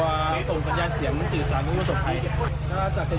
แล้วก็ตัวนี้คือตัวชุฟันโฟน